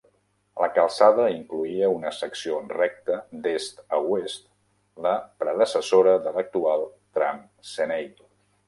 La calçada incloïa una secció recta d'est a oest, la predecessora de l'actual "tram Seney".